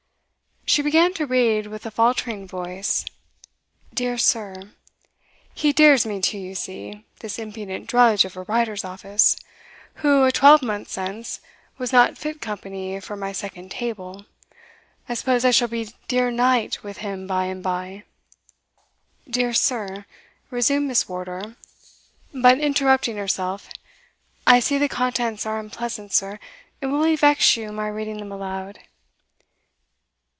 She began to read with a faltering voice, "Dear Sir." "He dears me too, you see, this impudent drudge of a writer's office, who, a twelvemonth since, was not fit company for my second table I suppose I shall be dear Knight' with him by and by." "Dear Sir," resumed Miss Wardour; but, interrupting herself, "I see the contents are unpleasant, sir it will only vex you my reading them aloud."